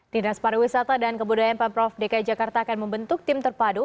dinas pariwisata dan kebudayaan pemprov dki jakarta akan membentuk tim terpadu